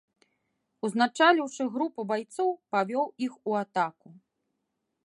Узначаліўшы групу байцоў, павёў іх у атаку.